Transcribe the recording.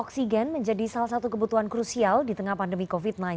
oksigen menjadi salah satu kebutuhan krusial di tengah pandemi covid sembilan belas